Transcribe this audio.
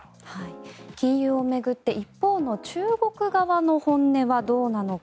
禁輸を巡って一方の中国側の本音はどうなのか。